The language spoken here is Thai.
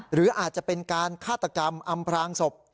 หรืออาจจะเป็นการฆาตกรรมอำพรางศพ